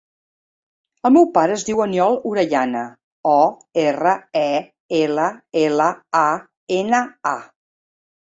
El meu pare es diu Aniol Orellana: o, erra, e, ela, ela, a, ena, a.